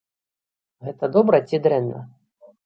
Гэта добра ці дрэнна?